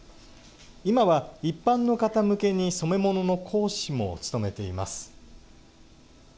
今は一般の方向けに染め物の講師も務めています。